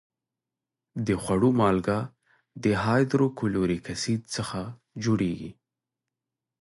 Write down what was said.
د خوړو مالګه د هایدروکلوریک اسید څخه جوړیږي.